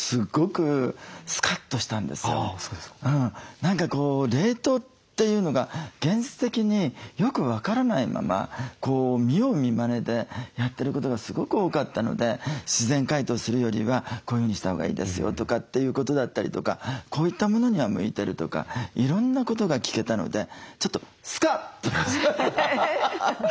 何か冷凍というのが現実的によく分からないまま見よう見まねでやってることがすごく多かったので自然解凍するよりはこういうふうにしたほうがいいですよとかっていうことだったりとかこういったものには向いてるとかいろんなことが聞けたのでちょっとちょっと気分が晴れたわ。